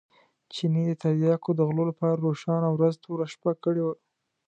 چیني د تریاکو د غلو لپاره روښانه ورځ توره شپه کړې وه.